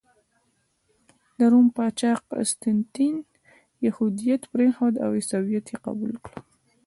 د روم پاچا قسطنطین یهودیت پرېښود او عیسویت یې قبول کړ.